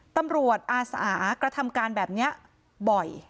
ตำรวจอาสากระทำการแบบนี้บ่อย